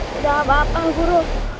tidak apa apa guru